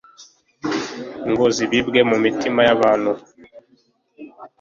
ngo zibibwe mu mitima y’abantu